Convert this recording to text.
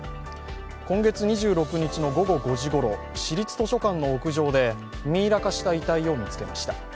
今月２６日の午後５時ごろ、市立図書館の屋上でミイラ化した遺体を見つけました。